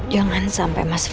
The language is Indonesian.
jangan sampai masalahnya